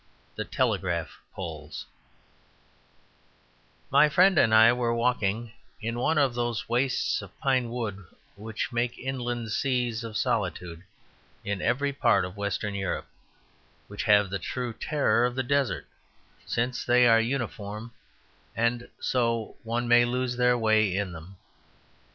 The Telegraph Poles My friend and I were walking in one of those wastes of pine wood which make inland seas of solitude in every part of Western Europe; which have the true terror of a desert, since they are uniform, and so one may lose one's way in them.